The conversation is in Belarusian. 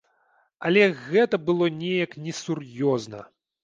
Але гэта было неяк несур'ёзна.